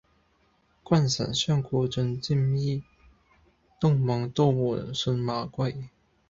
君臣相顧盡沾衣，東望都門信馬歸。